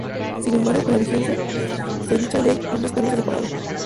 Sin embargo, con la vigencia de dicha ley, ambos cargos se separaron.